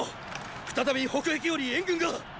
再び北壁より援軍がっ！